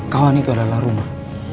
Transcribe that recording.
kawan itu adalah rumah